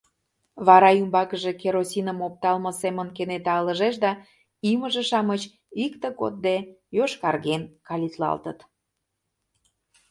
вара ӱмбакыже керосиным опталме семын кенета ылыжеш да имыже-шамыч икте кодде йошкарген калитлалтыт.